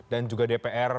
dan juga dpr